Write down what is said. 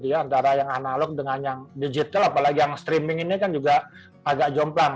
antara yang analog dengan yang digital apalagi yang streaming ini kan juga agak jomplang